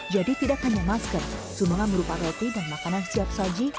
jadi tidak hanya masker sumelan merupakan roti dan makanan siap saji